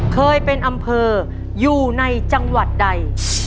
เคยเป็นอำเภออยู่ในจังหวัดใด